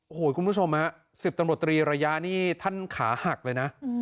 โอ้โหคุณผู้ชมฮะ๑๐ตำรวจตรีระยะนี่ท่านขาหักเลยนะ